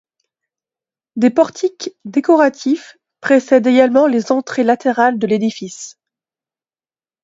Des portiques décoratifs précèdent également les entrées latérales de l'édifice.